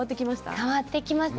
変わってきますね。